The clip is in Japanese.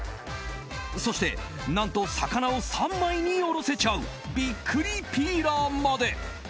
そして、何と魚を三枚に下ろせちゃうビックリピーラーまで！